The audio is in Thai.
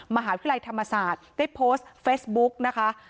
มหาวิทยาลัยธรรมศาสตร์ได้โพสต์เฟซบุ๊กนะคะ